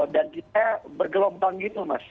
dan kita bergelombang gitu mas